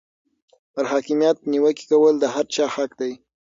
پر حاکمیت نیوکې کول د هر چا حق دی.